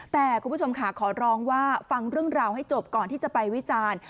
แต่คุณผู้ชมค่ะขอร้องว่าฟังเรื่องราวให้จบก่อนที่จะไปวิจารณ์